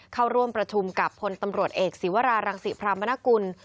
เข้าร่วมประชุมกับพลตำรวจเอกศิวรารังศิพรามนกุล